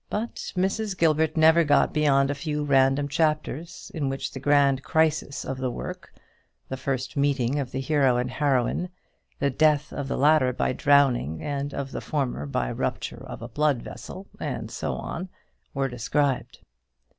But Mrs. Gilbert never got beyond a few random chapters, in which the grand crisis of the work the first meeting of the hero and heroine, the death of the latter by drowning and of the former by rupture of a blood vessel, and so on were described.